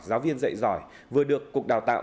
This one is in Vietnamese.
giáo viên dạy giỏi vừa được cục đào tạo